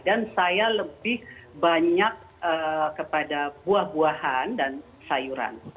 dan saya lebih banyak kepada buah buahan dan sayuran